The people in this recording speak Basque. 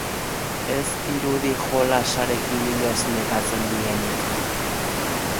Ez dirudi jolasarekin inoiz nekatzen denik.